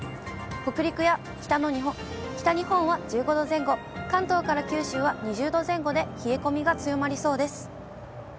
北陸や北日本は１５度前後、関東から九州は２０度前後で、冷え込みが強まりそうです。